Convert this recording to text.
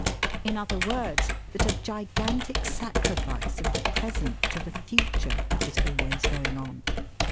In other words, that a gigantic sacrifice of the present to the future is always going on.